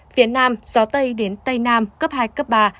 phía nam gió tây đến tây nam cấp hai cấp ba